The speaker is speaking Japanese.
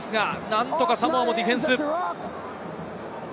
何とかサモアもディフェンス。